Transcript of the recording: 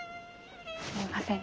すいません。